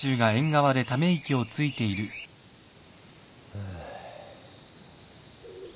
ハァ。